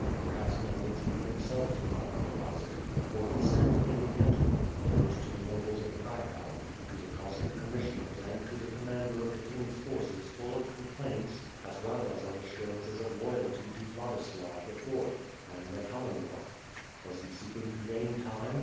Perhaps Khymel nitski himself did not realize it, for he sent, in the interim, letters to the nobles of Cracow; to the Cossack commissioners and to the commander of the king's forces full of complaints as well as of assurances of loyalty to Vladislav, the Fourth, and the Commonwealth. Was he seeking to gain time?